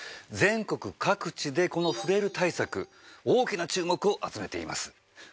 全国各地でこのフレイル対策大きな注目を集めています。